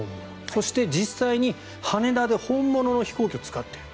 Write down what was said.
そして実際に羽田で本物の飛行機を使っている。